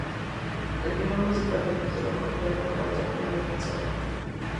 El vídeo musical fue dirigido por Brendan Walter y Mel Soria.